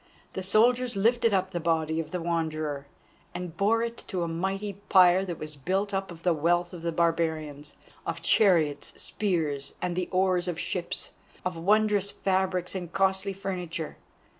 The soldiers lifted up the body of the Wanderer, and bore it to a mighty pyre that was built up of the wealth of the barbarians, of chariots, spears, and the oars of ships, of wondrous fabrics, and costly furniture.